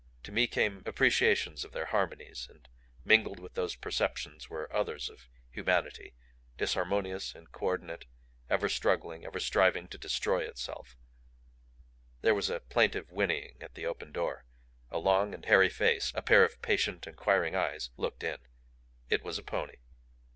To me came appreciations of their harmonies, and mingled with those perceptions were others of humanity disharmonious, incoordinate, ever struggling, ever striving to destroy itself There was a plaintive whinnying at the open door. A long and hairy face, a pair of patient, inquiring eyes looked in. It was a pony.